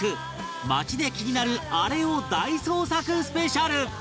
街で気になるアレを大捜索スペシャル